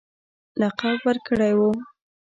لقب ورکړی وو.